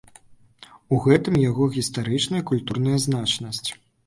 У гэтым яго гістарычная і культурная значнасць.